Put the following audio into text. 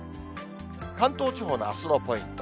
関東地方のあすのポイント。